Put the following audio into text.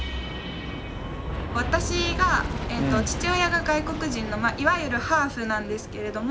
私が父親が外国人のいわゆるハーフなんですけれども。